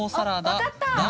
分かった！